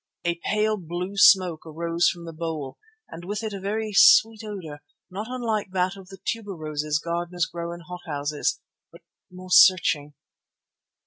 A pale, blue smoke arose from the bowl and with it a very sweet odour not unlike that of the tuberoses gardeners grow in hot houses, but more searching.